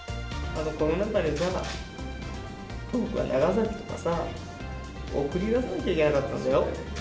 コロナ禍でさ、長崎とかにさ、送り出さなきゃいけなかったんだよ。